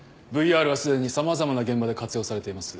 ＶＲは既にさまざまな現場で活用されています。